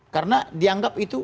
karena dianggap itu